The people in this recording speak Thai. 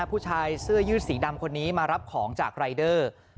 ผู้ชายเสื้อยืดสีดำคนนี้มารับของจากรายเดอร์